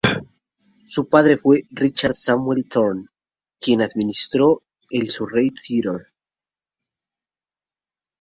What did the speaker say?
Su padre fue Richard Samuel Thorne, quien administró el Surrey Theatre.